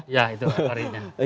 iya itu harganya